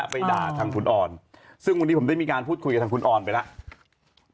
ไปด่าทางคุณออนซึ่งวันนี้ผมได้มีการพูดคุยกับทางคุณออนไปแล้ว